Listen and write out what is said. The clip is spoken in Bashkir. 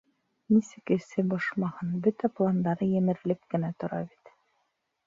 Нисек эсе бошмаһын, бөтә пландары емерелеп кенә тора бит.